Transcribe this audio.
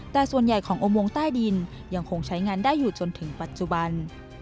แต่ส่วนใหญ่ของอุโมงใต้ดินยังคงใช้งานได้อยู่จนถึงปัจจุบัน